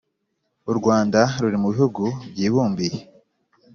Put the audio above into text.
U Rwanda ruri mu bihugu byibumbiye